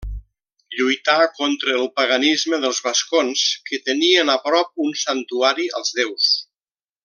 Lluità contra el paganisme dels vascons, que tenien a prop un santuari als déus.